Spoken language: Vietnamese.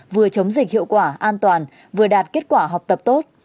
vừa chống dịch hiệu quả an toàn vừa đạt kết quả học tập tốt